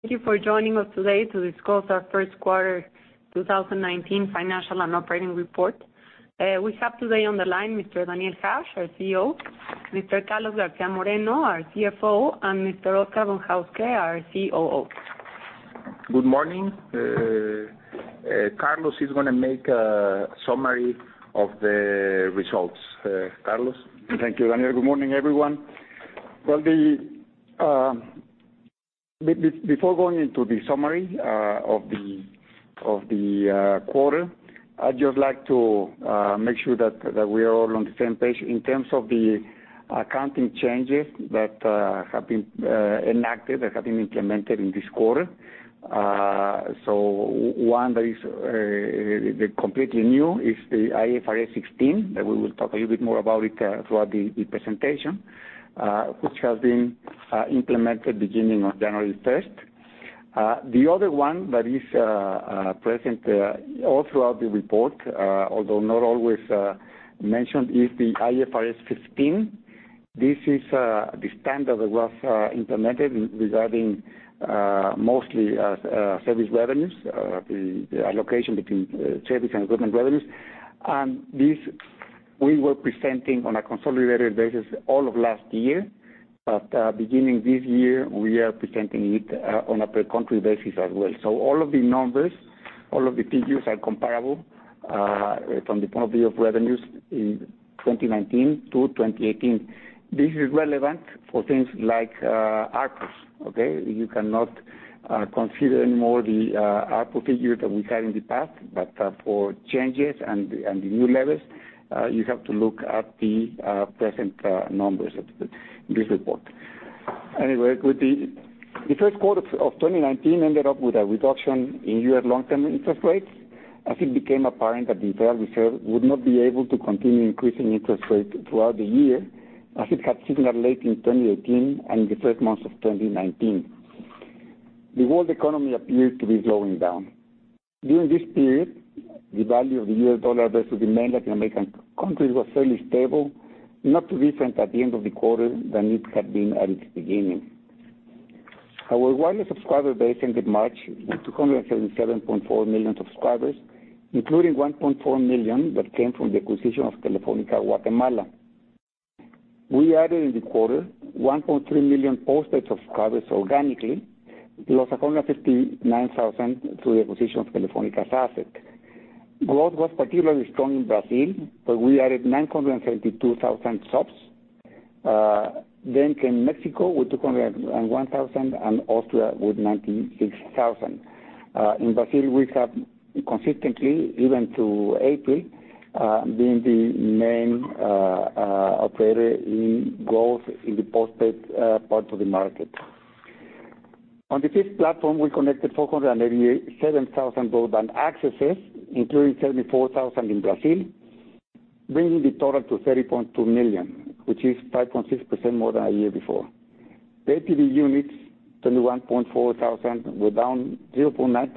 Thank you for joining us today to discuss our first quarter 2019 financial and operating report. We have today on the line Mr. Daniel Hajj, our CEO; Mr. Carlos García Moreno, our CFO; and Mr. Oscar Von Hauske, our COO. Good morning. Carlos is going to make a summary of the results. Carlos? Thank you, Daniel. Good morning, everyone. Before going into the summary of the quarter, I'd just like to make sure that we're all on the same page in terms of the accounting changes that have been enacted, that have been implemented in this quarter. One that is completely new is the IFRS 16, that we will talk a little bit more about it throughout the presentation, which has been implemented beginning on January 1st. The other one that is present all throughout the report, although not always mentioned, is the IFRS 15. This is the standard that was implemented regarding mostly service revenues, the allocation between service and equipment revenues. This we were presenting on a consolidated basis all of last year. Beginning this year, we are presenting it on a per country basis as well. All of the numbers, all of the figures are comparable from the point of view of revenues in 2019 to 2018. This is relevant for things like ARPU, okay? You cannot consider anymore the ARPU figure that we had in the past. For changes and the new levels, you have to look at the present numbers in this report. Anyway, the first quarter of 2019 ended up with a reduction in U.S. long-term interest rates as it became apparent that the Federal Reserve would not be able to continue increasing interest rates throughout the year, as it had signaled late in 2018 and in the first months of 2019. The world economy appeared to be slowing down. During this period, the value of the US dollar versus the main Latin American countries was fairly stable, not different at the end of the quarter than it had been at its beginning. Our wireless subscriber base ended March with 277.4 million subscribers, including 1.4 million that came from the acquisition of Telefónica Guatemala. We added in the quarter 1.3 million postpaid subscribers organically, plus 159,000 through the acquisition of Telefónica's assets. Growth was particularly strong in Brazil, where we added 972,000 subs. Mexico came with 201,000 and Austria with 96,000. In Brazil, we have consistently, even to April, been the main operator in growth in the postpaid part of the market. On the fixed platform, we connected 487,000 broadband accesses, including 74,000 in Brazil, bringing the total to 30.2 million, which is 5.6% more than a year before. Pay TV units, 21.04 thousand, were down 0.9%,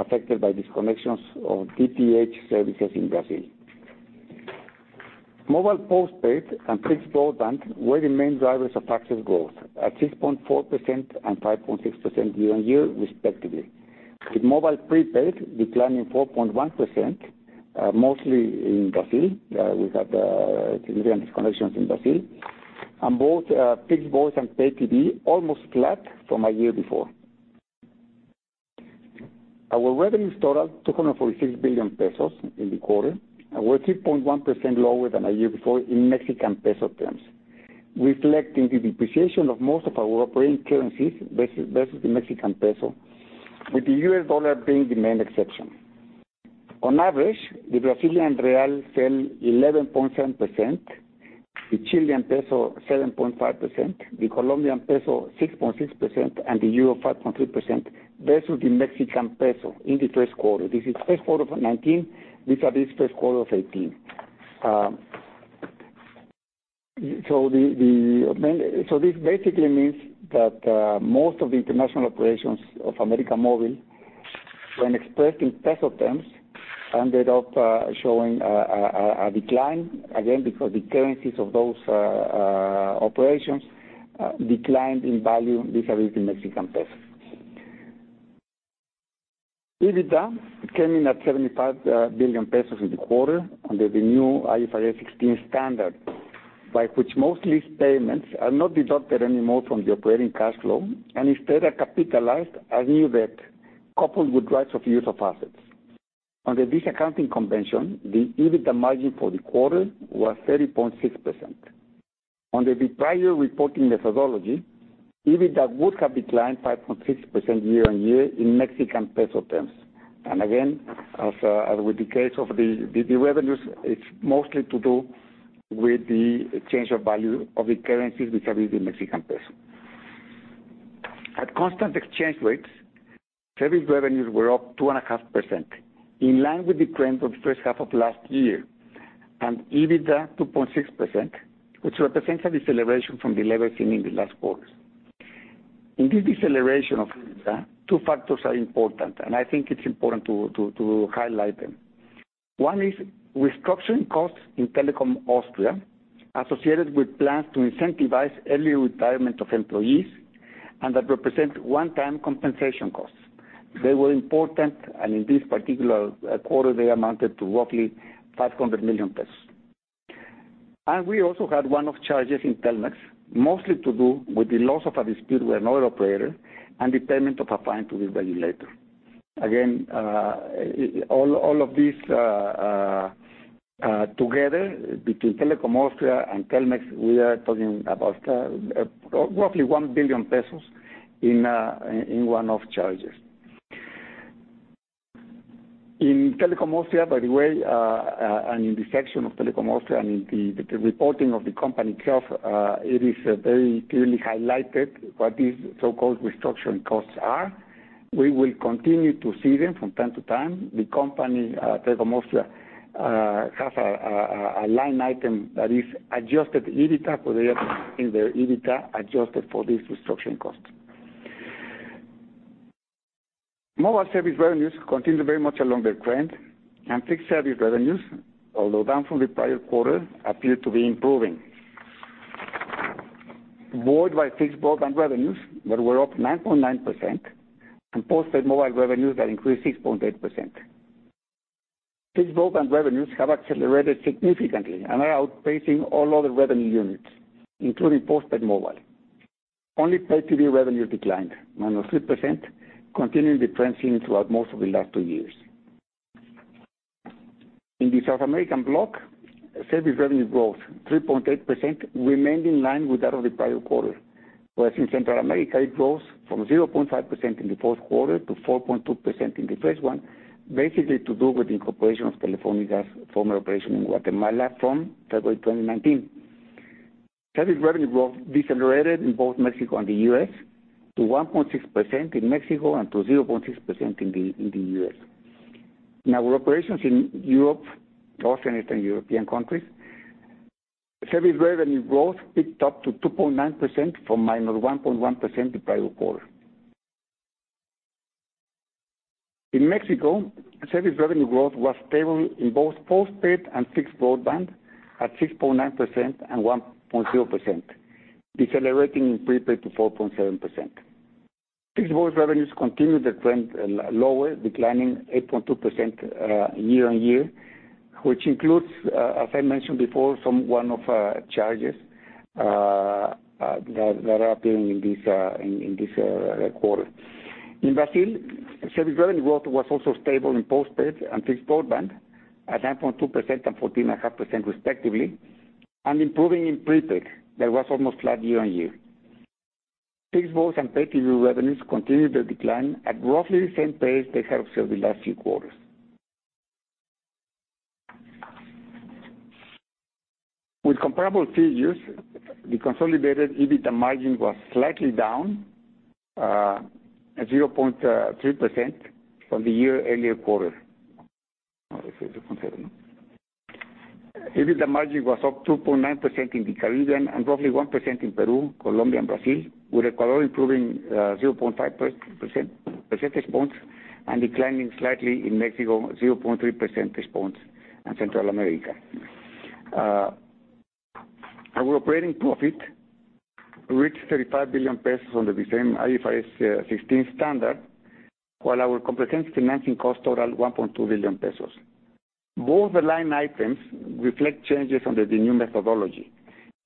affected by disconnections of DTH services in Brazil. Mobile postpaid and fixed broadband were the main drivers of access growth at 6.4% and 5.6% year-on-year respectively, with mobile prepaid declining 4.1%, mostly in Brazil. We had significant disconnections in Brazil. Both fixed voice and pay TV almost flat from a year before. Our revenues totaled 246 billion pesos in the quarter and were 3.1% lower than a year before in Mexican peso terms, reflecting the depreciation of most of our operating currencies versus the Mexican peso, with the US dollar being the main exception. On average, the Brazilian real fell 11.7%, the Chilean peso 7.5%, the Colombian peso 6.6%, and the euro 5.3% versus the Mexican peso in the first quarter. This is first quarter of 2019 vis-à-vis first quarter of 2018. This basically means that most of the international operations of América Móvil, when expressed in peso terms, ended up showing a decline, again, because the currencies of those operations declined in value vis-à-vis the Mexican peso. EBITDA came in at 75 billion pesos in the quarter under the new IFRS 16 standard, by which most lease payments are not deducted anymore from the operating cash flow and instead are capitalized as new debt, coupled with rights of use of assets. Under this accounting convention, the EBITDA margin for the quarter was 30.6%. Under the prior reporting methodology, EBITDA would have declined 5.6% year-on-year in Mexican peso terms. Again, as with the case of the revenues, it's mostly to do with the change of value of the currencies vis-à-vis the Mexican peso. At constant exchange rates, service revenues were up 2.5%, in line with the trend of the first half of last year, and EBITDA 2.6%, which represents a deceleration from the level seen in the last quarter. In this deceleration of EBITDA, two factors are important, and I think it's important to highlight them. One is restructuring costs in Telekom Austria associated with plans to incentivize early retirement of employees, and that represents one-time compensation costs. They were important, and in this particular quarter, they amounted to roughly 500 million pesos. We also had one-off charges in Telmex, mostly to do with the loss of a dispute with another operator and the payment of a fine to the regulator. All of these together, between Telekom Austria and Telmex, we are talking about roughly 1 billion pesos in one-off charges. In Telekom Austria, by the way, in the section of Telekom Austria and in the reporting of the company itself, it is very clearly highlighted what these so-called restructuring costs are. We will continue to see them from time to time. The company, Telekom Austria, has a line item that is adjusted EBITDA, or they are in their EBITDA, adjusted for these restructuring costs. Mobile service revenues continue very much along their trend, and fixed service revenues, although down from the prior quarter, appear to be improving. Board by fixed broadband revenues that were up 9.9%, and postpaid mobile revenues that increased 6.8%. Fixed broadband revenues have accelerated significantly and are outpacing all other revenue units, including postpaid mobile. Only pay-TV revenues declined, minus 3%, continuing the trend seen throughout most of the last two years. In the South American block, service revenue growth, 3.8%, remained in line with that of the prior quarter. In Central America, it grows from 0.5% in the fourth quarter to 4.2% in the first one, basically to do with the incorporation of Telefónica's former operation in Guatemala from February 2019. Service revenue growth decelerated in both Mexico and the U.S. to 1.6% in Mexico and to 0.6% in the U.S. In our operations in Europe, North, and Eastern European countries, service revenue growth picked up to 2.9% from -1.1% the prior quarter. In Mexico, service revenue growth was stable in both postpaid and fixed broadband at 6.9% and 1.0%, decelerating in prepaid to 4.7%. Fixed voice revenues continued the trend lower, declining 8.2% year-on-year, which includes, as I mentioned before, some one-off charges that are appearing in this quarter. In Brazil, service revenue growth was also stable in postpaid and fixed broadband at 9.2% and 14.5% respectively, and improving in prepaid, that was almost flat year-on-year. Fixed voice and pay-TV revenues continued their decline at roughly the same pace they have seen the last few quarters. With comparable figures, the consolidated EBITDA margin was slightly down at 0.3% from the year earlier quarter. No, this is 0.7. EBITDA margin was up 2.9% in the Caribbean and roughly 1% in Peru, Colombia, and Brazil, with Ecuador improving 0.5 percentage points and declining slightly in Mexico, 0.3 percentage points in Central America. Our operating profit reached 35 billion pesos under the same IFRS 16 standard, while our comprehensive financing cost totaled 1.2 billion pesos. Both the line items reflect changes under the new methodology,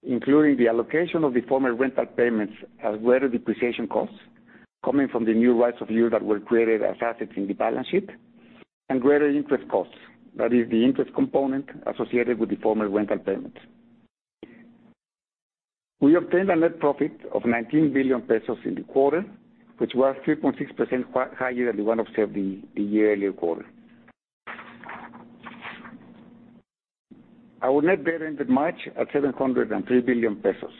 including the allocation of the former rental payments as greater depreciation costs coming from the new rights of use that were created as assets in the balance sheet, and greater interest costs. That is the interest component associated with the former rental payment. We obtained a net profit of 19 billion pesos in the quarter, which was 3.6% higher than the one observed the year-earlier quarter. Our net debt ended March at 703 billion pesos,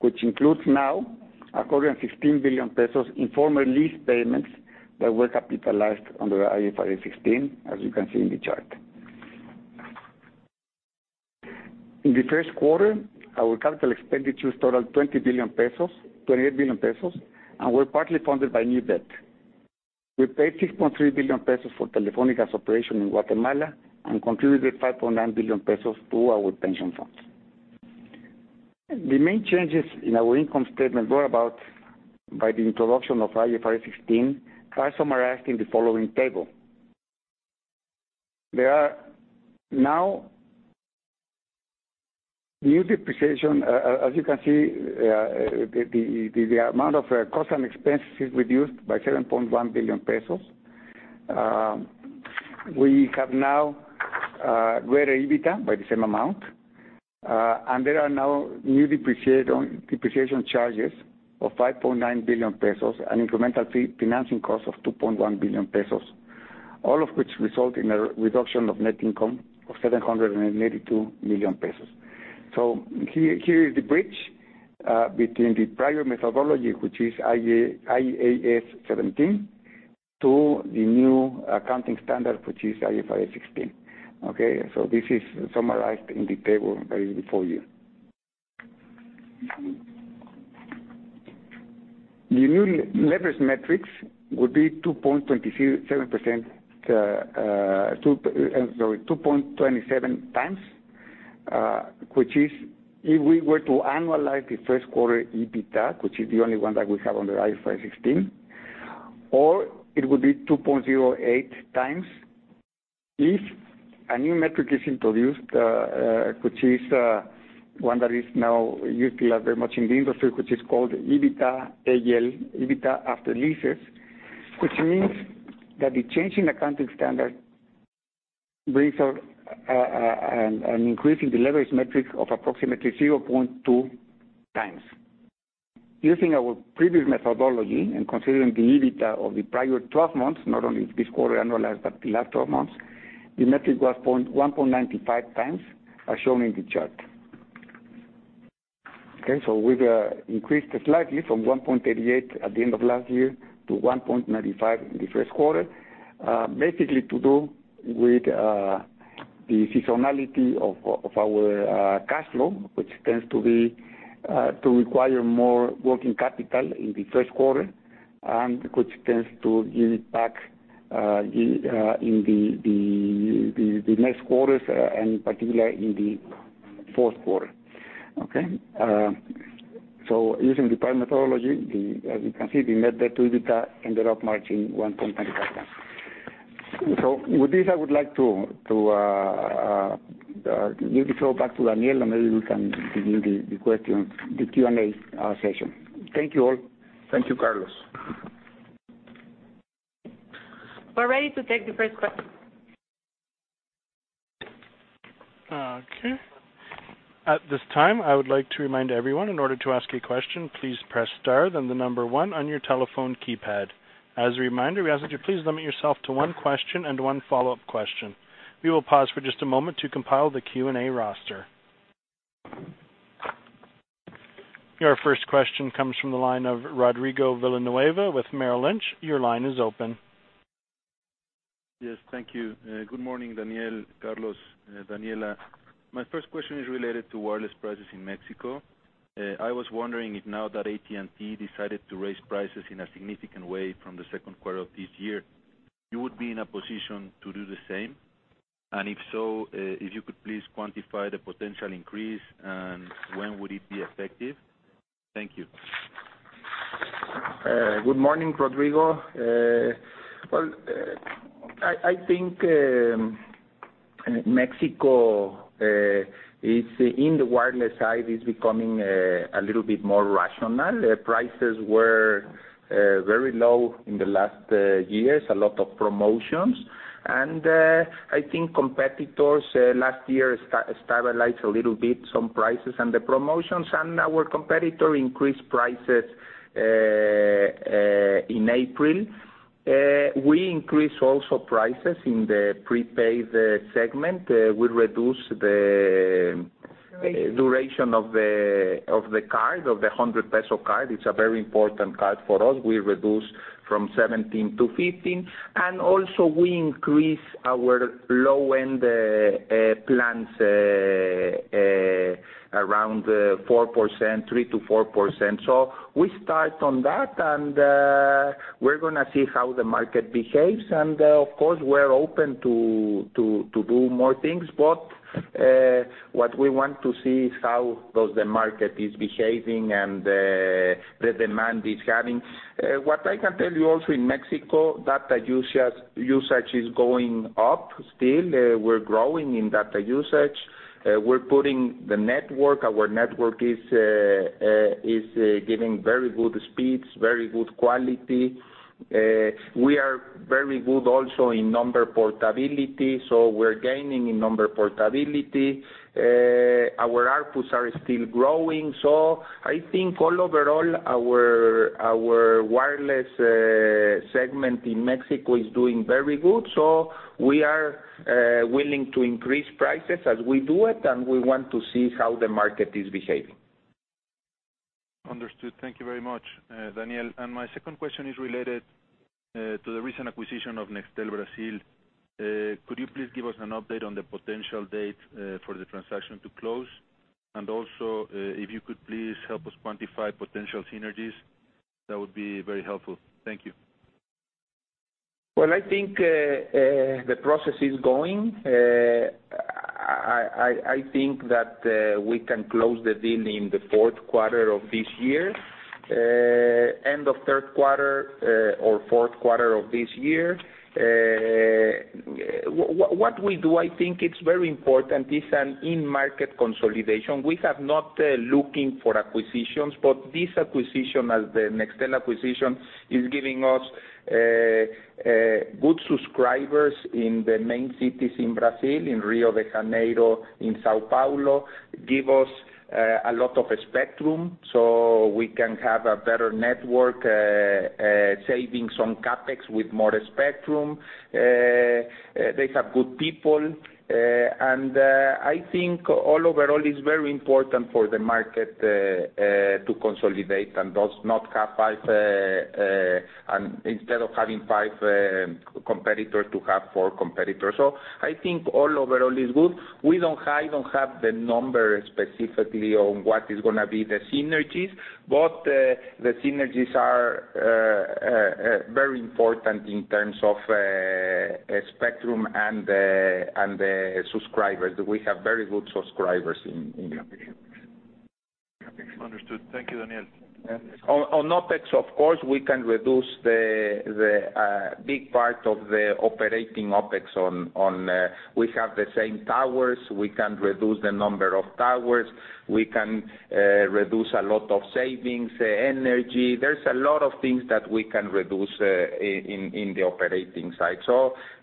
which includes now 116 billion pesos in former lease payments that were capitalized under IFRS 16, as you can see in the chart. In the first quarter, our capital expenditures totaled 28 billion pesos and were partly funded by new debt. We paid 6.3 billion pesos for Telefónica's operation in Guatemala and contributed 5.9 billion pesos to our pension funds. The main changes in our income statement were brought about by the introduction of IFRS 16, are summarized in the following table. There are now new depreciation. As you can see, the amount of cost and expense is reduced by 7.1 billion pesos. We have now greater EBITDA by the same amount, and there are now new depreciation charges of 5.9 billion pesos and incremental financing costs of 2.1 billion pesos, all of which result in a reduction of net income of 782 million pesos. Here is the bridge between the prior methodology, which is IAS 17, to the new accounting standard, which is IFRS 16, okay? This is summarized in the table right before you. The new leverage metrics would be 2.27 times, which is if we were to annualize the first quarter EBITDA, which is the only one that we have under IFRS 16, or it would be 2.08 times if a new metric is introduced, which is one that is now used very much in the industry, which is called EBITDAAL, EBITDA after leases, which means that the change in accounting standard brings an increase in the leverage metric of approximately 0.2 times. Using our previous methodology and considering the EBITDA of the prior 12 months, not only this quarter annualized but the last 12 months, the metric was 1.95 times, as shown in the chart. Okay, we've increased slightly from 1.88 at the end of last year to 1.95 in the first quarter. Basically to do with the seasonality of our cash flow, which tends to require more working capital in the first quarter, and which tends to give it back in the next quarters, and in particular in the fourth quarter. Okay? Using the prior methodology, as you can see, the net debt to EBITDA ended up reaching 1.95 times. With this, I would like to give the floor back to Daniel, and maybe you can begin the Q&A session. Thank you all. Thank you, Carlos. We're ready to take the first question. Okay. At this time, I would like to remind everyone, in order to ask a question, please press star then the number one on your telephone keypad. As a reminder, we ask that you please limit yourself to one question and one follow-up question. We will pause for just a moment to compile the Q&A roster. Your first question comes from the line of Rodrigo Villanueva with Merrill Lynch. Your line is open. Yes, thank you. Good morning, Daniel, Carlos, Daniela. My first question is related to wireless prices in Mexico. I was wondering if now that AT&T decided to raise prices in a significant way from the second quarter of this year, you would be in a position to do the same? If so, if you could please quantify the potential increase, and when would it be effective? Thank you. Good morning, Rodrigo. Well, I think Mexico, in the wireless side, is becoming a little bit more rational. Prices were very low in the last years, a lot of promotions. I think competitors last year stabilized a little bit some prices and the promotions, and our competitor increased prices in April. We increase also prices in the prepaid segment. We reduce the duration of the card, of the 100 peso card. It's a very important card for us. We reduce from 17 to 15, and also we increase our low-end plans around 3%-4%. We start on that, and we're going to see how the market behaves. Of course, we're open to do more things. What we want to see is how does the market is behaving and the demand is behaving. What I can tell you also in Mexico, data usage is going up still. We're growing in data usage. We're putting the network. Our network is giving very good speeds, very good quality. We are very good also in number portability, so we're gaining in number portability. Our ARPUs are still growing. I think all overall, our wireless segment in Mexico is doing very good. We are willing to increase prices as we do it, and we want to see how the market is behaving. Understood. Thank you very much, Daniel. My second question is related to the recent acquisition of Nextel Brazil. Could you please give us an update on the potential date for the transaction to close? Also, if you could please help us quantify potential synergies, that would be very helpful. Thank you. Well, I think the process is going. I think that we can close the deal in the fourth quarter of this year. End of third quarter or fourth quarter of this year. What we do, I think it's very important, it's an in-market consolidation. We have not looking for acquisitions, but this acquisition, as the Nextel acquisition, is giving us good subscribers in the main cities in Brazil, in Rio de Janeiro, in São Paulo. Give us a lot of spectrum so we can have a better network, saving some CapEx with more spectrum. They have good people. I think all overall, it's very important for the market to consolidate and thus not have five Instead of having five competitors, to have four competitors. I think all overall is good. I don't have the numbers specifically on what is going to be the synergies. The synergies are very important in terms of spectrum and the subscribers. We have very good subscribers in the acquisition. Understood. Thank you, Daniel. On OPEX, of course, we can reduce the big part of the operating OPEX on. We have the same towers. We can reduce the number of towers. We can reduce a lot of savings, energy. There is a lot of things that we can reduce in the operating side.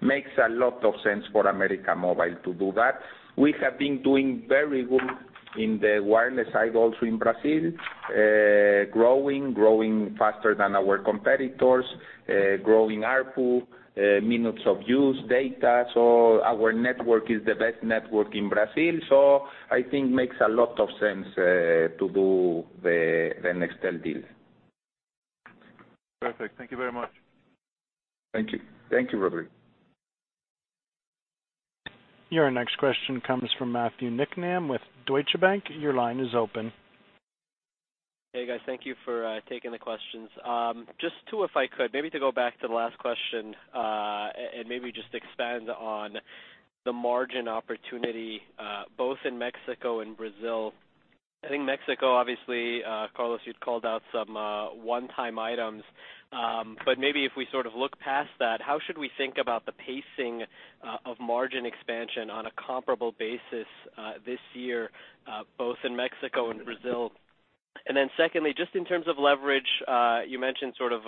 Makes a lot of sense for América Móvil to do that. We have been doing very good in the wireless side also in Brazil, growing faster than our competitors, growing ARPU, minutes of use data. Our network is the best network in Brazil. I think makes a lot of sense, to do the Nextel deal. Perfect. Thank you very much. Thank you. Your next question comes from Matthew Niknam with Deutsche Bank. Your line is open. Hey, guys. Thank you for taking the questions. Just two, if I could, maybe to go back to the last question, and maybe just expand on the margin opportunity, both in Mexico and Brazil. I think Mexico, obviously, Carlos, you'd called out some one-time items. Maybe if we sort of look past that, how should we think about the pacing of margin expansion on a comparable basis this year, both in Mexico and Brazil? Secondly, just in terms of leverage, you mentioned sort of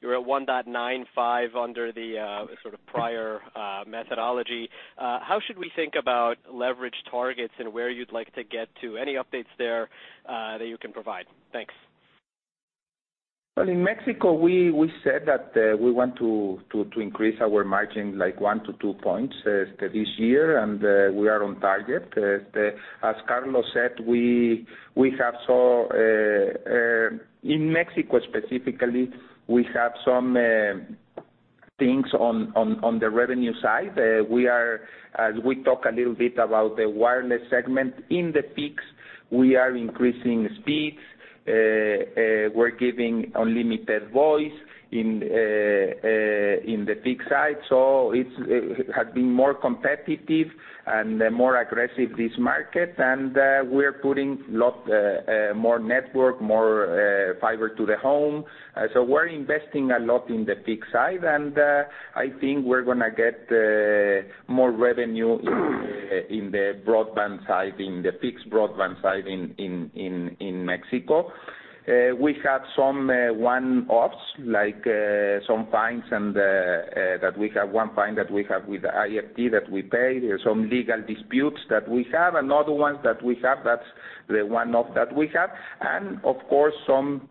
you're at 1.95 under the sort of prior methodology. How should we think about leverage targets and where you'd like to get to? Any updates there that you can provide? Thanks. Well, in Mexico, we said that we want to increase our margin, like one to two points this year, and we are on target. As Carlos said, in Mexico specifically, we have some things on the revenue side. As we talk a little bit about the wireless segment, in the peaks, we are increasing speeds. We're giving unlimited voice in the peak side. It has been more competitive and more aggressive this market, and we're putting lot more network, more fiber to the home. We're investing a lot in the peak side, and I think we're going to get more revenue in the broadband side, in the fixed broadband side in Mexico. We have some one-offs, like some fines and that we have one fine that we have with the IFT that we pay. There's some legal disputes that we have, another ones that we have that's the one-off that we have. Of course, some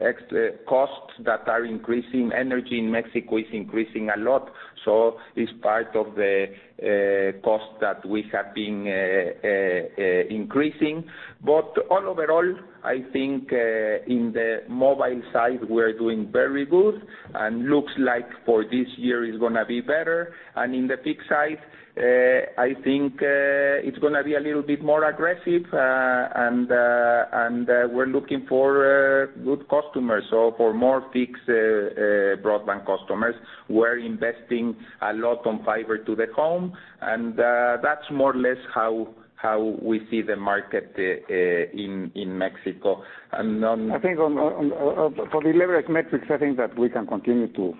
extra costs that are increasing. Energy in Mexico is increasing a lot. It's part of the cost that we have been increasing. All overall, I think in the mobile side, we're doing very good and looks like for this year it's gonna be better. In the fixed side, I think it's gonna be a little bit more aggressive, and we're looking for good customers, so for more fixed broadband customers. We're investing a lot on fiber to the home, and that's more or less how we see the market in Mexico. I think for the leverage metrics, I think that we can continue to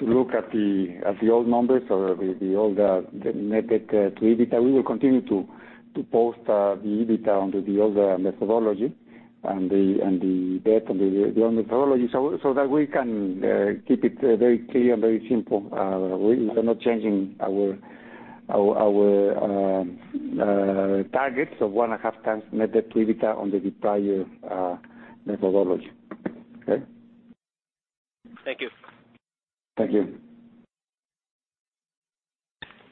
look at the old numbers or the old NetDebt to EBITDA. We will continue to post the EBITDA under the old methodology and the debt on the old methodology so that we can keep it very clear and very simple. We are not changing our targets of one and a half times NetDebt to EBITDA on the prior methodology. Okay? Thank you. Thank you.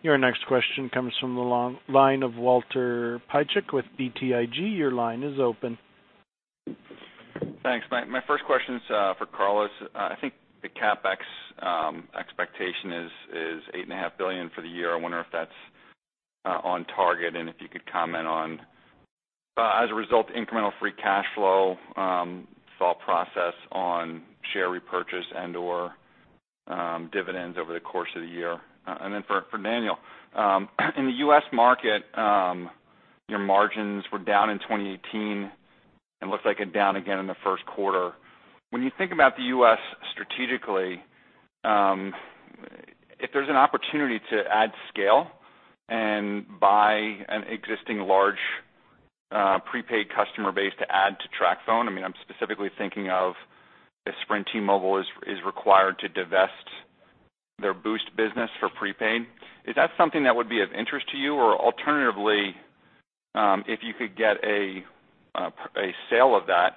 Your next question comes from the line of Walter Piecyk with BTIG. Your line is open. Thanks. My first question is for Carlos García Moreno. I think the CapEx expectation is 8.5 billion for the year. I wonder if that's on target and if you could comment on, as a result, incremental free cash flow, thought process on share repurchase and/or dividends over the course of the year. For Daniel Hajj, in the U.S. market, your margins were down in 2018 and looks like they are down again in the first quarter. When you think about the U.S. strategically, if there's an opportunity to add scale and buy an existing large prepaid customer base to add to TracFone, I am specifically thinking of if Sprint T-Mobile is required to divest their Boost Mobile business for prepaid. Is that something that would be of interest to you? Alternatively, if you could get a sale of that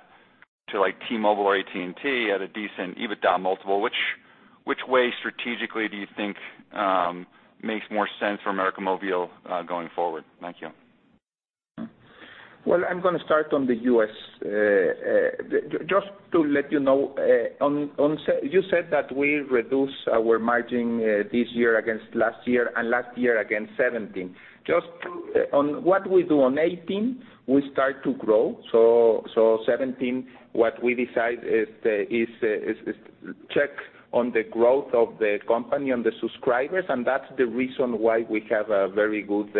to T-Mobile or AT&T at a decent EBITDA multiple, which way strategically do you think makes more sense for América Móvil going forward? Thank you. I am going to start on the U.S. Just to let you know, you said that we reduce our margin this year against last year and last year against 2017. Just on what we do on 2018, we start to grow. 2017, what we decide is check on the growth of the company and the subscribers, and that's the reason why we have a very good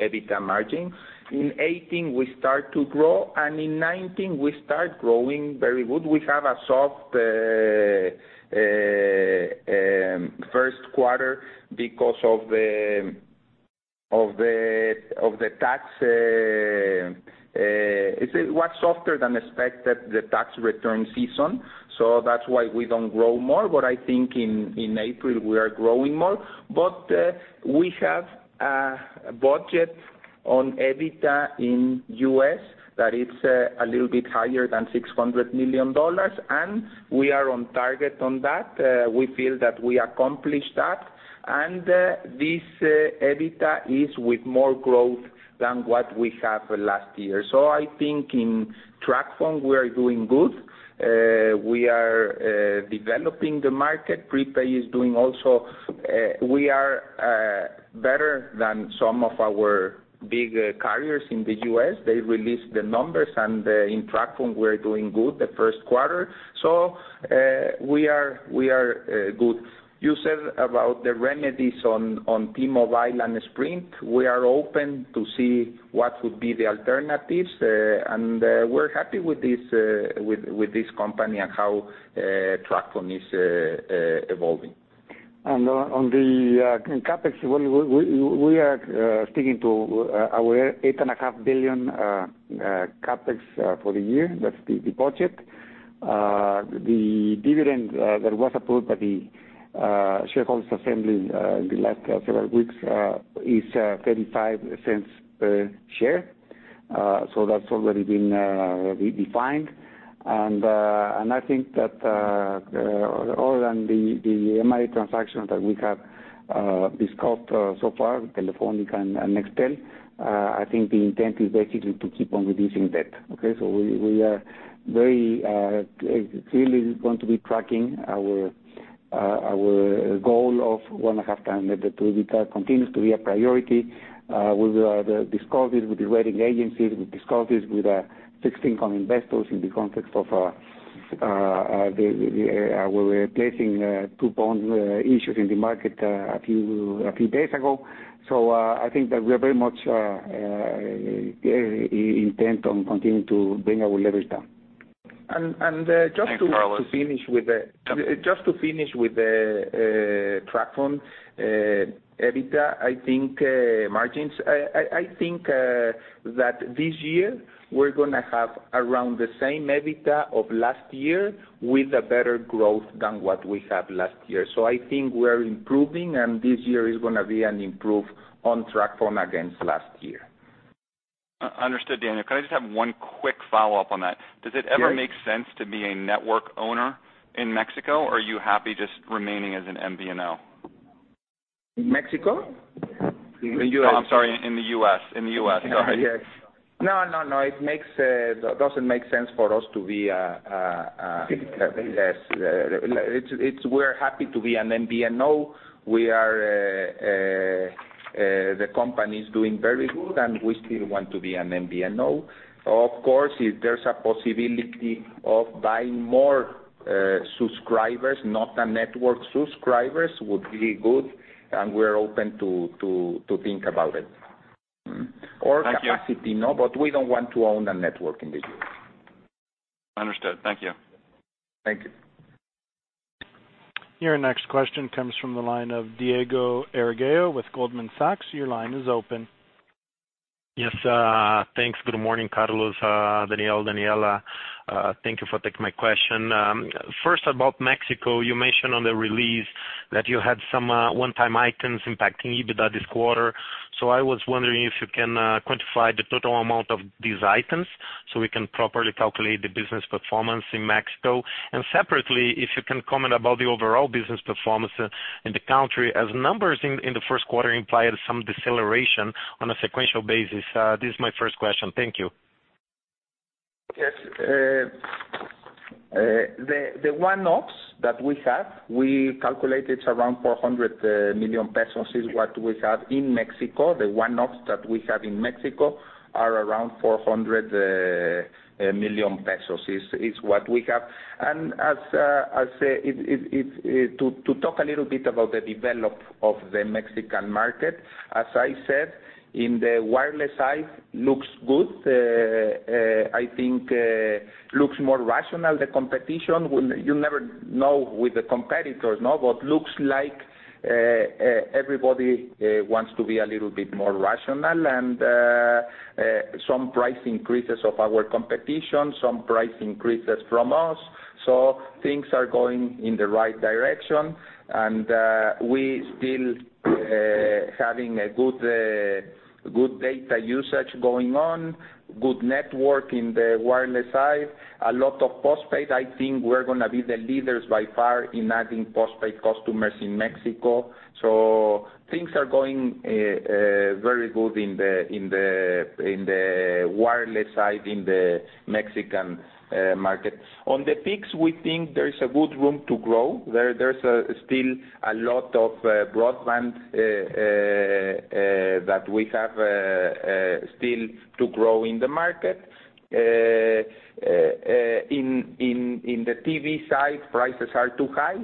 EBITDA margin. In 2018, we start to grow, and in 2019 we start growing very good. We have a soft first quarter because the tax return season was softer than expected. That's why we don't grow more. I think in April, we are growing more. We have a budget on EBITDA in U.S. that it's a little bit higher than $600 million, and we are on target on that. We feel that we accomplished that. This EBITDA is with more growth than what we have last year. I think in TracFone, we are doing good. We are developing the market. Prepaid is doing well. We are better than some of our big carriers in the U.S. They released the numbers, and in TracFone, we are doing good the first quarter. We are good. You said about the remedies on T-Mobile and Sprint. We are open to see what would be the alternatives, and we are happy with this company and how TracFone is evolving. On the CapEx, we are sticking to our 8.5 billion CapEx for the year. That's the budget. The dividend that was approved by the shareholders assembly in the last several weeks is 0.35 per share. That's already been redefined. I think that other than the M&A transactions that we have discussed so far with Telefónica and Nextel, I think the intent is basically to keep on reducing debt. Okay? We are very clearly going to be tracking our goal of one and a half turn EBITDA continues to be a priority. We are discussing with the rating agencies, we discuss this with fixed income investors in the context of the, we were placing two bond issues in the market a few days ago. I think that we are very much intent on continuing to bring our leverage down. Just to finish with the TracFone EBITDA. I think that this year we're going to have around the same EBITDA of last year with a better growth than what we had last year. I think we're improving, and this year is going to be an improve on TracFone against last year. Understood. Daniel, could I just have one quick follow-up on that? Sure. Does it ever make sense to be a network owner in Mexico, or are you happy just remaining as an MVNO? In Mexico? In the U.S. Oh, I'm sorry, in the U.S. Go ahead. No, it doesn't make sense for us It's we're happy to be an MVNO. The company is doing very good, and we still want to be an MVNO. Of course, if there's a possibility of buying more subscribers, not a network subscribers, would be good, and we're open to think about it. Thank you. Capacity, no, but we don't want to own a network in the U.S. Understood. Thank you. Thank you. Your next question comes from the line of Diego Arregui with Goldman Sachs. Your line is open. Yes. Thanks. Good morning, Carlos, Daniel, Daniela. Thank you for taking my question. First about Mexico, you mentioned on the release that you had some one-time items impacting EBITDA this quarter. I was wondering if you can quantify the total amount of these items so we can properly calculate the business performance in Mexico. Separately, if you can comment about the overall business performance in the country as numbers in the first quarter implied some deceleration on a sequential basis. This is my first question. Thank you. Yes. The one-offs that we have, we calculated around 400 million pesos is what we have in Mexico. The one-offs that we have in Mexico are around 400 million pesos, is what we have. To talk a little bit about the develop of the Mexican market, as I said, in the wireless side, looks good. I think looks more rational, the competition. You never know with the competitors. Looks like everybody wants to be a little bit more rational and some price increases of our competition, some price increases from us. Things are going in the right direction, and we still having a good data usage going on, good network in the wireless side, a lot of postpaid. I think we're going to be the leaders by far in adding postpaid customers in Mexico. Things are going very good in the wireless side in the Mexican market. On the fixed, we think there is a good room to grow. There's still a lot of broadband that we have still to grow in the market. In the TV side, prices are too high,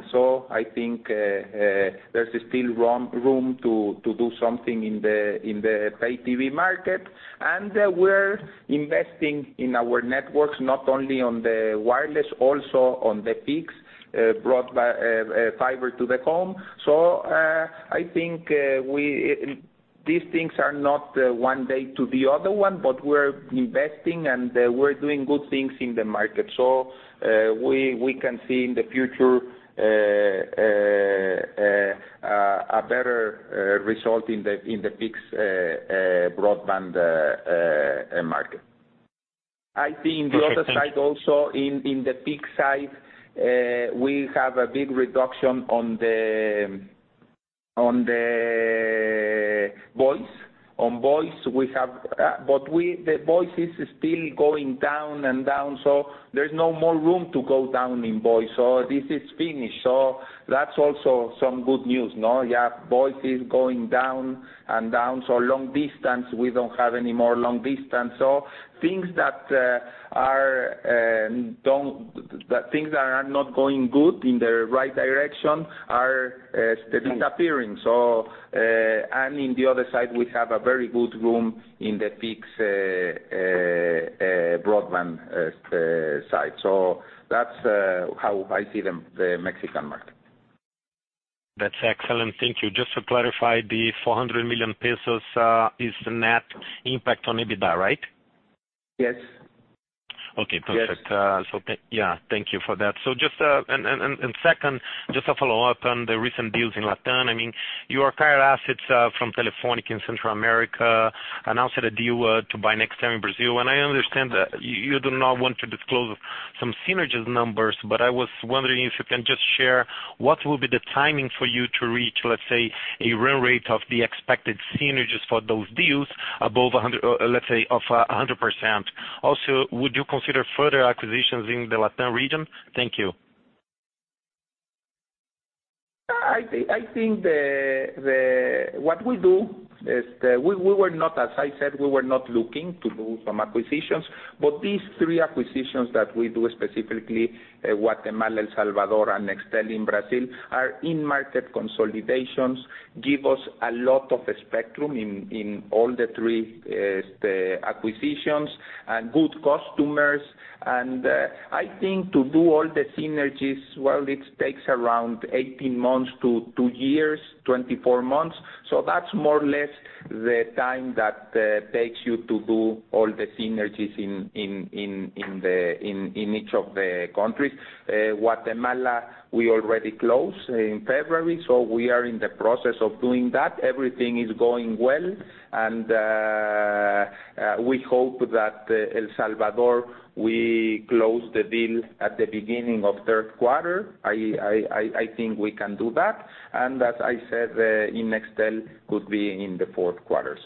I think there's still room to do something in the pay TV market. We're investing in our networks, not only on the wireless, also on the fixed, fiber to the home. I think these things are not one day to the other one, but we're investing, and we're doing good things in the market. We can see in the future a better result in the fixed broadband market. I think the other side also in the fixed side, we have a big reduction on the voice. On voice we have. The voice is still going down and down, there's no more room to go down in voice. This is finished. That's also some good news. Now you have voice is going down and down, long distance, we don't have any more long distance. Things that are not going good in the right direction are disappearing. In the other side, we have a very good room in the fixed broadband side. That's how I see the Mexican market. That's excellent. Thank you. Just to clarify, the 400 million pesos is net impact on EBITDA, right? Yes. Okay, perfect. Yes. Yeah, thank you for that. Second, just a follow-up on the recent deals in Latin. You acquire assets from Telefónica in Central America, announced a deal to buy Nextel in Brazil, I understand you do not want to disclose some synergies numbers, but I was wondering if you can just share what will be the timing for you to reach, let's say, a run rate of the expected synergies for those deals above, let's say, of 100%. Also, would you consider further acquisitions in the Latin region? Thank you. I think what we do is, we were not, as I said, we were not looking to do some acquisitions. These three acquisitions that we do, specifically Guatemala, El Salvador, and Nextel in Brazil, are in market consolidations, give us a lot of spectrum in all the three acquisitions, and good customers. I think to do all the synergies, well, it takes around 18 months to two years, 24 months. That's more or less the time that takes you to do all the synergies in each of the countries. Guatemala, we already closed in February. We are in the process of doing that. Everything is going well. We hope that El Salvador, we close the deal at the beginning of third quarter. I think we can do that. As I said, in Nextel could be in the fourth quarter.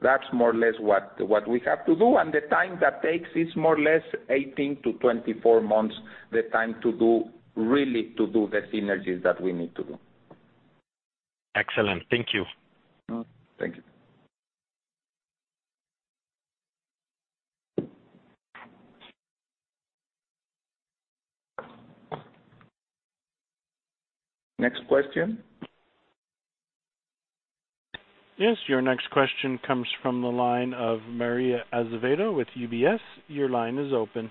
That's more or less what we have to do. The time that takes is more or less 18-24 months, the time to do, really to do the synergies that we need to do. Excellent. Thank you. Thank you. Next question. Your next question comes from the line of Maria Azevedo with UBS. Your line is open.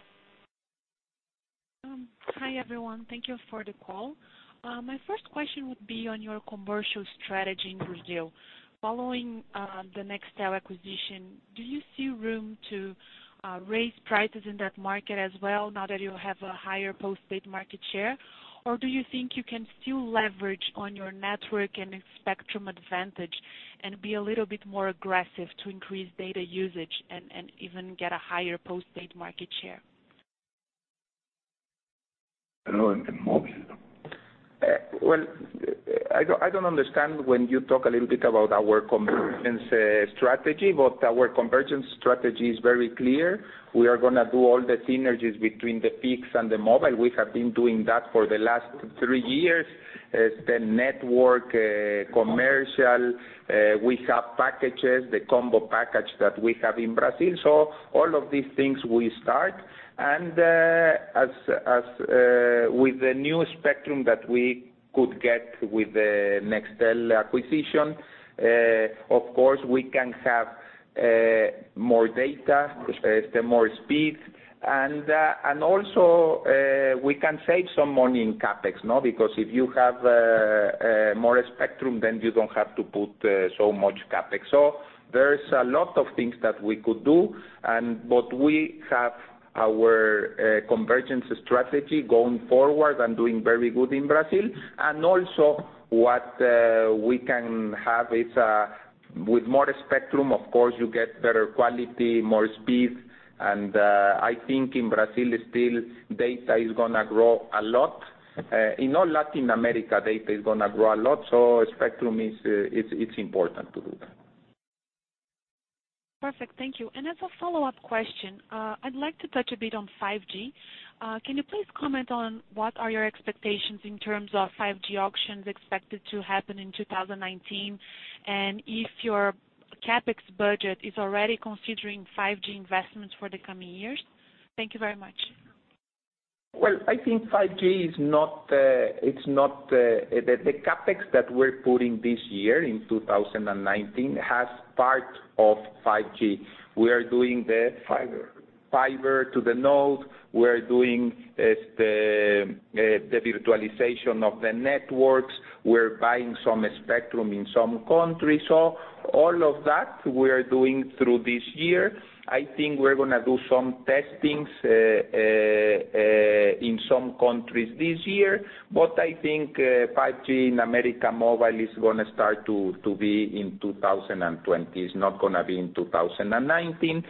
Hi, everyone. Thank you for the call. My first question would be on your commercial strategy in Brazil. Following the Nextel acquisition, do you see room to raise prices in that market as well, now that you have a higher postpaid market share? Do you think you can still leverage on your network and spectrum advantage and be a little bit more aggressive to increase data usage and even get a higher postpaid market share? Well, I don't understand when you talk a little bit about our convergence strategy, our convergence strategy is very clear. We are going to do all the synergies between the fixed and the mobile. We have been doing that for the last three years. The network, commercial, we have packages, the combo package that we have in Brazil. All of these things we start. As with the new spectrum that we could get with the Nextel acquisition, of course, we can have more data, more speed, and also we can save some money in CapEx. Because if you have more spectrum, you don't have to put so much CapEx. There's a lot of things that we could do, we have our convergence strategy going forward and doing very good in Brazil. Also what we can have is, with more spectrum, of course you get better quality, more speed. I think in Brazil, still, data is going to grow a lot. In all Latin America, data is going to grow a lot, spectrum is important to do that. Perfect. Thank you. As a follow-up question, I'd like to touch a bit on 5G. Can you please comment on what are your expectations in terms of 5G auctions expected to happen in 2019, and if your CapEx budget is already considering 5G investments for the coming years? Thank you very much. Well, I think 5G is not. The CapEx that we're putting this year in 2019 has part of 5G. We are doing the. Fiber fiber to the node. We are doing the virtualization of the networks. We're buying some spectrum in some countries. All of that we are doing through this year. I think we're going to do some testings countries this year, but I think 5G in América Móvil is going to start to be in 2020. It's not going to be in 2019.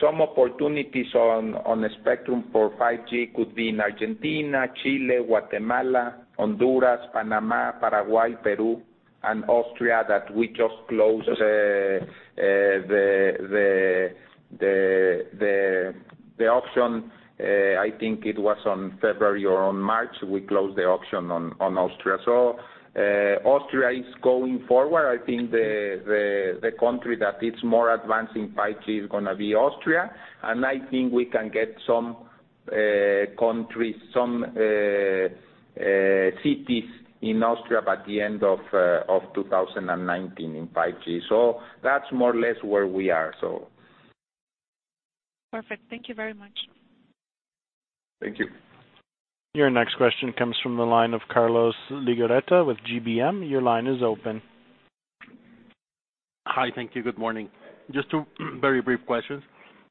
Some opportunities on the spectrum for 5G could be in Argentina, Chile, Guatemala, Honduras, Panama, Paraguay, Peru, and Austria, that we just closed the auction. I think it was on February or on March, we closed the auction on Austria. Austria is going forward. I think the country that is more advanced in 5G is going to be Austria, and I think we can get some cities in Austria by the end of 2019 in 5G. That's more or less where we are. Perfect. Thank you very much. Thank you. Your next question comes from the line of Carlos Legarreta with GBM. Your line is open. Hi. Thank you. Good morning. Just two very brief questions.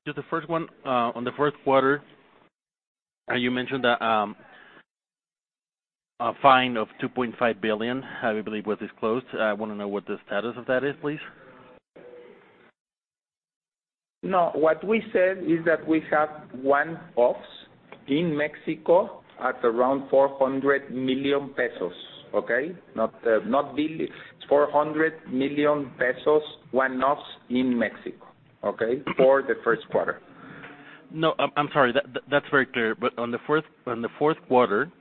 Just the first one, on the first quarter, you mentioned a fine of 2.5 billion, I believe, was disclosed. I want to know what the status of that is, please. No, what we said is that we have one-offs in Mexico at around 400 million pesos, okay? Not bill. It's 400 million pesos, one-offs in Mexico, okay? For the first quarter. No, I'm sorry. That's very clear. On the fourth quarter,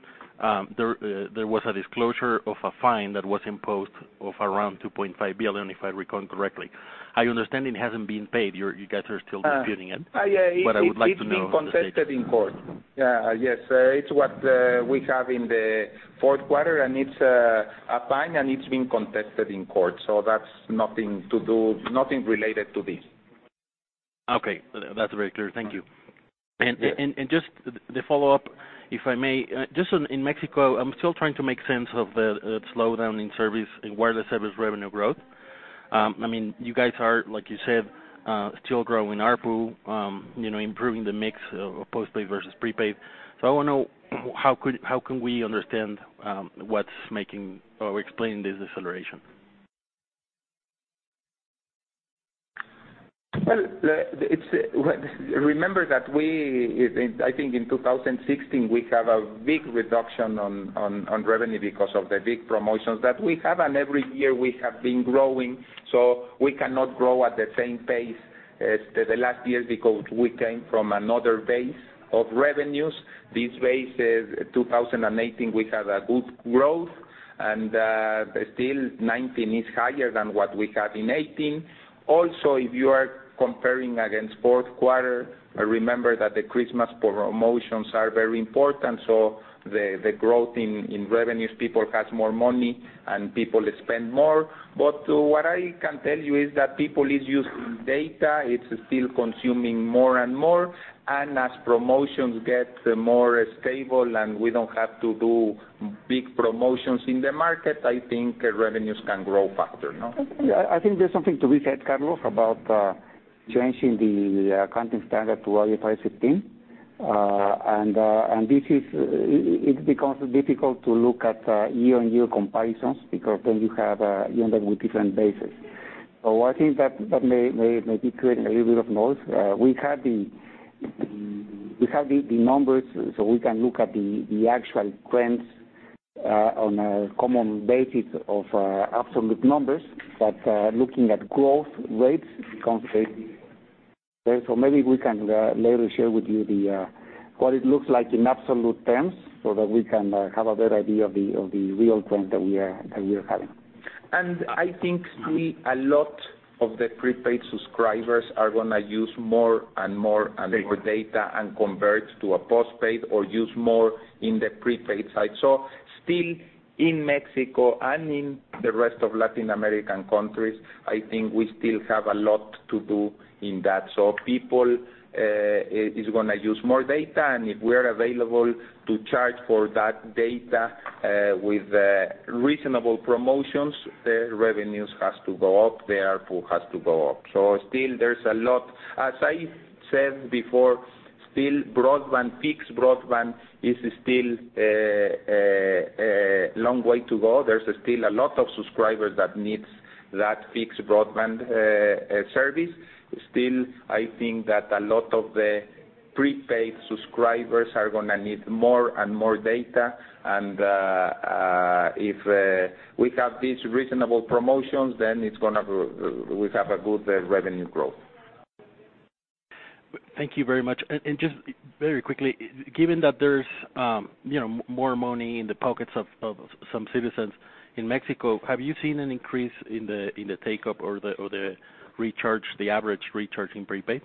there was a disclosure of a fine that was imposed of around 2.5 billion, if I recall correctly. I understand it hasn't been paid. You guys are still disputing it. Yeah. I would like to know the status. It's being contested in court. Yeah. Yes. It's what we have in the fourth quarter, and it's a fine, and it's being contested in court. That's nothing related to this. Okay. That's very clear. Thank you. Yeah. Just the follow-up, if I may, just in Mexico, I'm still trying to make sense of the slowdown in wireless service revenue growth. You guys are, like you said, still growing ARPU, improving the mix of postpaid versus prepaid. How can we understand what's making or explain this deceleration? Well, remember that we, I think in 2016, we have a big reduction on revenue because of the big promotions that we have. Every year we have been growing, we cannot grow at the same pace as the last year because we came from another base of revenues. This base is 2018, we have a good growth, and still 2019 is higher than what we have in 2018. If you are comparing against fourth quarter, remember that the Christmas promotions are very important, the growth in revenues, people have more money and people spend more. What I can tell you is that people is using data. It's still consuming more and more, and as promotions get more stable and we don't have to do big promotions in the market, I think revenues can grow faster. Okay. I think there's something to be said, Carlos, about changing the accounting standard to IFRS 15. It becomes difficult to look at year-on-year comparisons because then you end up with different bases. I think that may be creating a little bit of noise. We have the numbers, we can look at the actual trends on a common basis of absolute numbers. Looking at growth rates becomes very difficult. Maybe we can later share with you what it looks like in absolute terms that we can have a better idea of the real trend that we are having. I think a lot of the prepaid subscribers are going to use more and more. Data More data and convert to a postpaid or use more in the prepaid side. Still in Mexico and in the rest of Latin American countries, I think we still have a lot to do in that. People is going to use more data, and if we're available to charge for that data with reasonable promotions, the revenues has to go up, the ARPU has to go up. Still there's a lot. As I said before, still fixed broadband is still a long way to go. There's still a lot of subscribers that needs that fixed broadband service. Still, I think that a lot of the prepaid subscribers are going to need more and more data. If we have these reasonable promotions, we have a good revenue growth. Thank you very much. Just very quickly, given that there's more money in the pockets of some citizens in Mexico, have you seen an increase in the take-up or the average recharge in prepaid?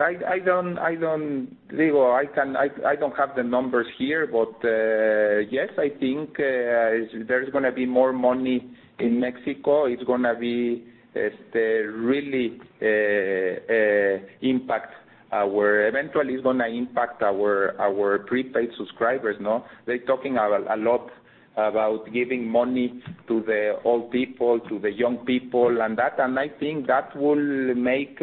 I don't have the numbers here, yes, I think there's going to be more money in Mexico. It's going to be really eventually it's going to impact our prepaid subscribers. They're talking a lot about giving money to the old people, to the young people, I think that will make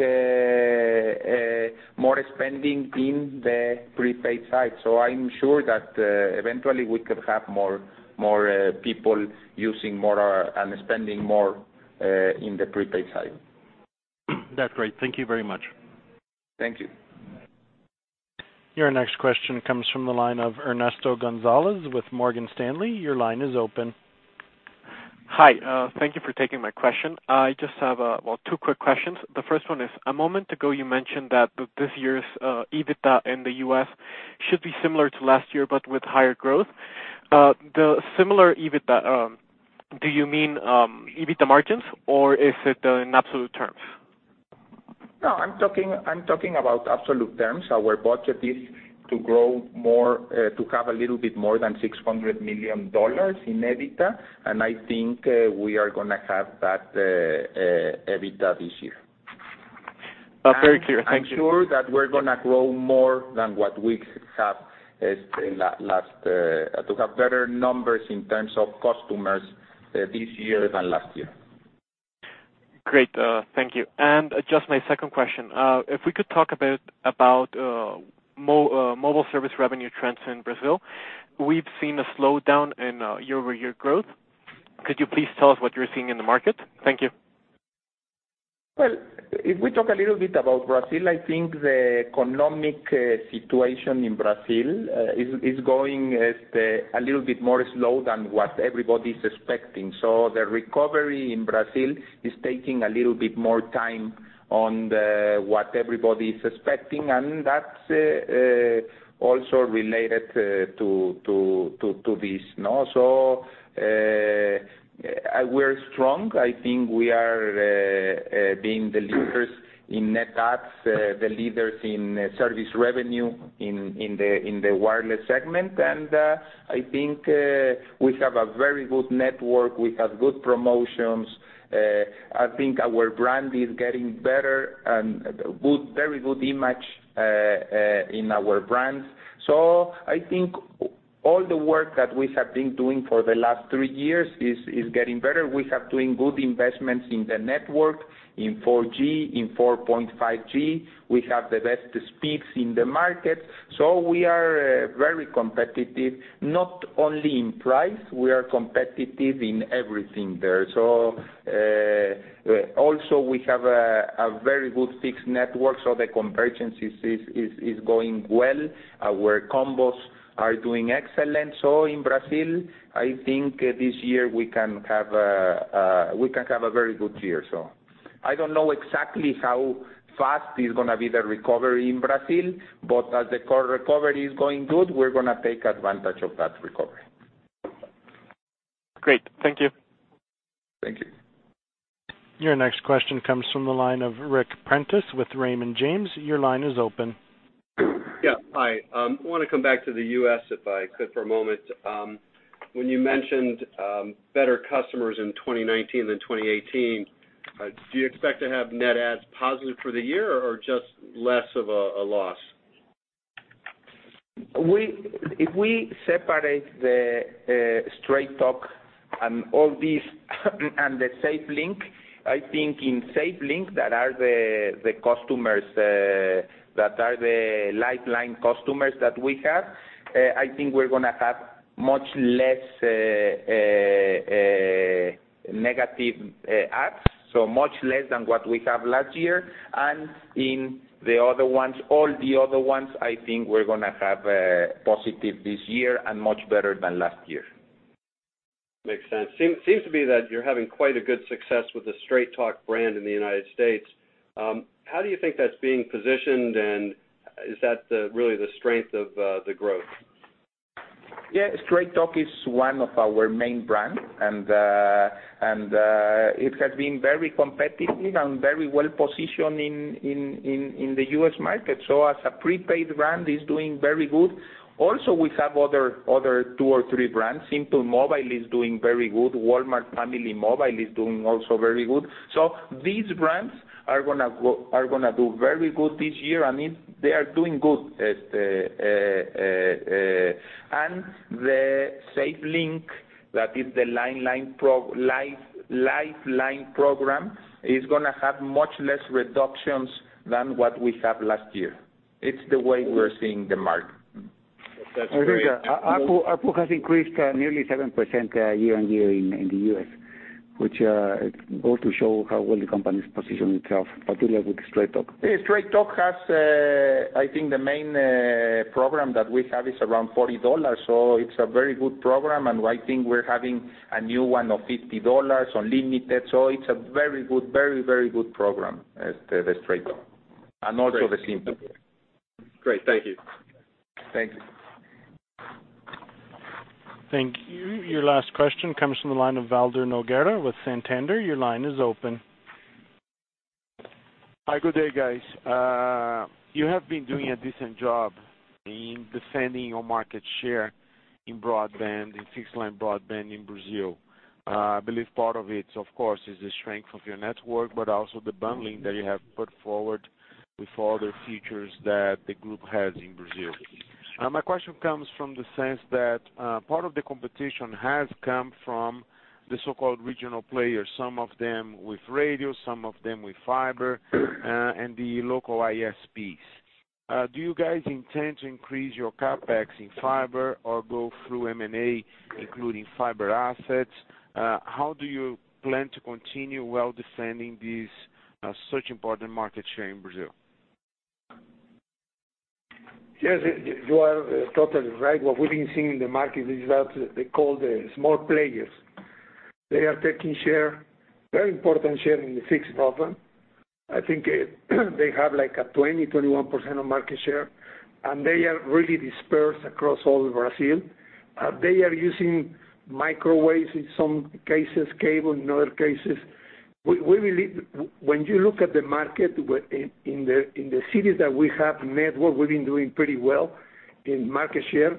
more spending in the prepaid side. I'm sure that eventually we could have more people using more and spending more in the prepaid side. That's great. Thank you very much. Thank you. Your next question comes from the line of Ernesto Gonzalez with Morgan Stanley. Your line is open. Hi. Thank you for taking my question. I just have, well, two quick questions. The first one is, a moment ago, you mentioned that this year's EBITDA in the U.S. should be similar to last year, but with higher growth. The similar EBITDA, do you mean EBITDA margins or is it in absolute terms? No, I'm talking about absolute terms. Our budget is to grow more, to have a little bit more than MXN 600 million in EBITDA, and I think we are going to have that EBITDA this year. Very clear. Thank you. I'm sure that we're going to grow more than what we have, to have better numbers in terms of customers this year than last year. Great. Thank you. Just my second question, if we could talk a bit about mobile service revenue trends in Brazil. We've seen a slowdown in year-over-year growth. Could you please tell us what you're seeing in the market? Thank you. Well, if we talk a little bit about Brazil, I think the economic situation in Brazil is going a little bit more slow than what everybody's expecting. The recovery in Brazil is taking a little bit more time on what everybody is expecting, and that's also related to this. We're strong. I think we are being the leaders in net adds, the leaders in service revenue in the wireless segment. I think we have a very good network. We have good promotions. I think our brand is getting better and very good image in our brands. I think all the work that we have been doing for the last three years is getting better. We have been doing good investments in the network, in 4G, in 4.5G. We have the best speeds in the market. We are very competitive, not only in price, we are competitive in everything there. Also we have a very good fixed network, the convergence is going well. Our combos are doing excellent. In Brazil, I think this year we can have a very good year. I don't know exactly how fast is going to be the recovery in Brazil, but as the core recovery is going good, we're going to take advantage of that recovery. Great. Thank you. Thank you. Your next question comes from the line of Ric Prentiss with Raymond James. Your line is open. Yeah. Hi. I want to come back to the U.S., if I could, for a moment. When you mentioned better customers in 2019 than 2018, do you expect to have net adds positive for the year or just less of a loss? If we separate the Straight Talk and the SafeLink, I think in SafeLink that are the lifeline customers that we have, I think we're going to have much less negative adds, so much less than what we have last year. In all the other ones, I think we're going to have a positive this year and much better than last year. Makes sense. Seems to be that you're having quite a good success with the Straight Talk brand in the U.S. How do you think that's being positioned, and is that really the strength of the growth? Yeah, Straight Talk is one of our main brands, and it has been very competitive and very well positioned in the U.S. market. As a prepaid brand, it's doing very good. Also, we have other two or three brands. Simple Mobile is doing very good. Walmart Family Mobile is doing also very good. These brands are going to do very good this year. I mean, they are doing good. The SafeLink, that is the lifeline program, is going to have much less reductions than what we have last year. It's the way we're seeing the market. That's great. ARPU has increased nearly 7% year-on-year in the U.S., which goes to show how well the company's positioned itself, particularly with Straight Talk. Yeah, Straight Talk has, I think the main program that we have is around MXN 40, it's a very good program, I think we're having a new one of MXN 50 unlimited. It's a very good program, the Straight Talk, and also the Simple. Great. Thank you. Thank you. Thank you. Your last question comes from the line of Valter Nogueira with Santander. Your line is open. Hi, good day, guys. You have been doing a decent job in defending your market share in broadband, in fixed broadband in Brazil. I believe part of it, of course, is the strength of your network, also the bundling that you have put forward with all the features that the group has in Brazil. My question comes from the sense that part of the competition has come from the so-called regional players, some of them with radio, some of them with fiber, the local ISPs. Do you guys intend to increase your CapEx in fiber or go through M&A, including fiber assets? How do you plan to continue while defending such important market share in Brazil? Yes, you are totally right. What we've been seeing in the market is that they're called the small players. They are taking share, very important share in the fixed broadband. I think they have like a 20%, 21% of market share, they are really dispersed across all Brazil. They are using microwaves in some cases, cable in other cases. When you look at the market in the cities that we have network, we've been doing pretty well in market share,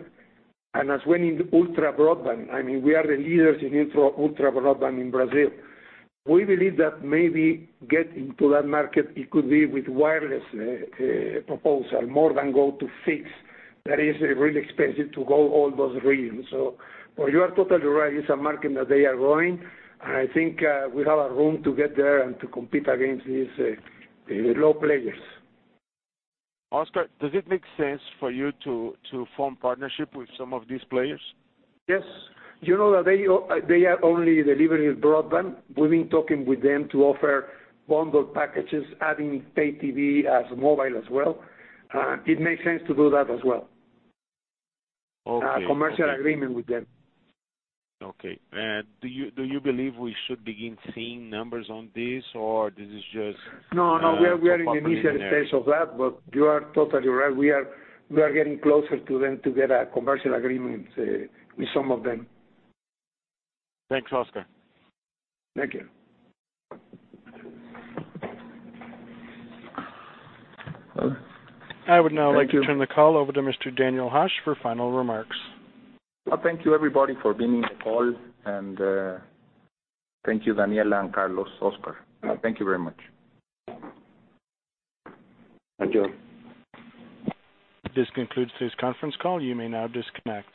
as when in the ultra-broadband. We are the leaders in ultra-broadband in Brazil. We believe that maybe get into that market, it could be with wireless proposal more than go to fixed. That is really expensive to go all those regions. You are totally right. It's a market that they are growing, I think we have a room to get there and to compete against these local players. Oscar, does it make sense for you to form partnership with some of these players? Yes. You know that they are only delivering broadband. We've been talking with them to offer bundled packages, adding pay TV as mobile as well. It makes sense to do that as well. Okay. A commercial agreement with them. Okay. Do you believe we should begin seeing numbers on this? No, we are in the initial- popping in there stage of that, but you are totally right. We are getting closer to them to get a commercial agreement with some of them. Thanks, Oscar. Thank you. I would now like to turn the call over to Mr. Daniel Hajj for final remarks. Thank you, everybody, for being in the call, and thank you Daniela and Carlos, Oscar. Thank you very much. Thank you. This concludes this conference call. You may now disconnect.